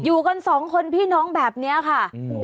อยู่กันสองคนพี่น้องแบบนี้ค่ะ